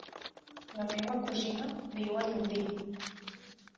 La meva cosina viu a Llubí.